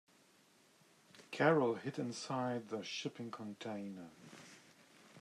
Carol hid inside the shipping container.